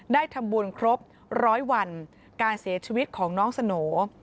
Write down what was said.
ได้ทำบุญครบร้อยวันการเสียชีวิตของน้องสโหน่